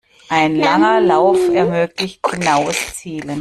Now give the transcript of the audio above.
Ein langer Lauf ermöglicht genaues Zielen.